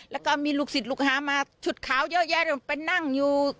แล้วก็มีลูกศิษย์ลูกหามาชุดขาวเยอะแยะไปนั่งอยู่